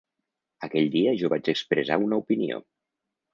Aquell dia jo vaig expressar una opinió.